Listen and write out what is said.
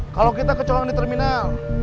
kalau kita kecolongan di terminal